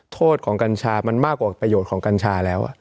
โทษของกัญชามันมากกว่าประโยชน์ของกัญชาแล้ว